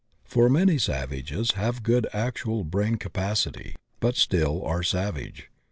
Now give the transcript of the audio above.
For many savages have good actual brain capacity, but still are savage.